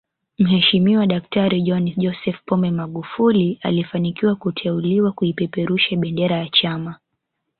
Mheshimiwa daktari John Joseph Pombe Magufuli alifanikiwa kuteuliwa kuipeperusha bendera ya chama